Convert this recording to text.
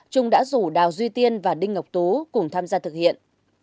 trung đã rủ đào duy tiên và đinh ngọc tú cùng tham gia thực hiện